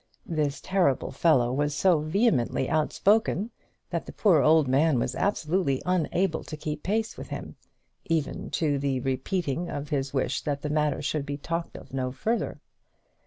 This terrible fellow was so vehemently outspoken that the poor old man was absolutely unable to keep pace with him, even to the repeating of his wish that the matter should be talked of no further.